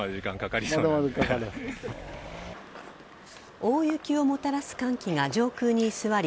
大雪をもたらす寒気が上空に居座り